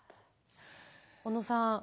小野さん